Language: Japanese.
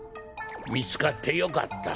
みつかってよかった。